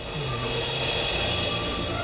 bismillah ya kemanusia